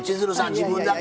自分だけ！